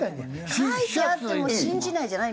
書いてあっても信じないじゃない？